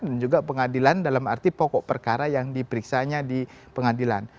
dan juga pengadilan dalam arti pokok perkara yang diperiksanya di pengadilan